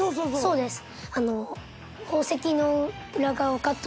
そうです。